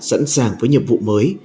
sẵn sàng với nhiệm vụ mới